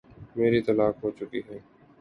میری طلاق ہو چکی ہے۔